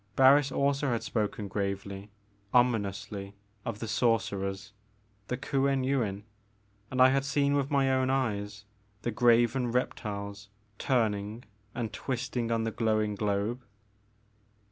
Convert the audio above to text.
Barris also had spoken gravely, ominously of the sorcerers, the Kuen Yuin, and I had seen with my own eyes the graven reptiles turning and twisting on the glowing globe.